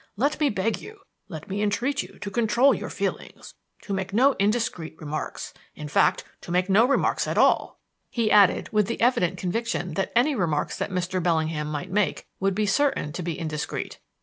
Let me beg you let me entreat you to control your feelings, to make no indiscreet remarks; in fact, to make no remarks at all," he added, with the evident conviction that any remarks that Mr. Bellingham might make would be certain to be indiscreet.